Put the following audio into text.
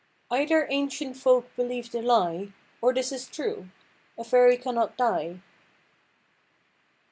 (Either ancient folke believ'd a lie, Or this is true) a fayrie cannot die."